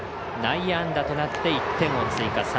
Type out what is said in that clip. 内野安打となって１点を追加。